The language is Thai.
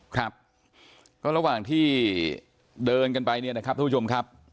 ครับก็ระหว่างที่เดินกันไปเนี่ยนะครับทุกผู้ชมครับ